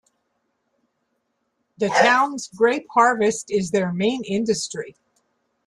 The towns "Grape Harvest" is their main industry.